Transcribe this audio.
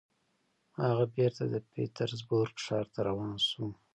هغه بېرته د پیټرزبورګ ښار ته روان شو